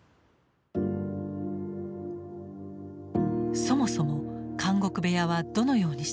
そもそも「監獄部屋」はどのようにして生まれたのか？